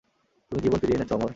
তুমি জীবন ফিরিয়ে এনেছ, অমর!